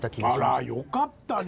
あらよかったね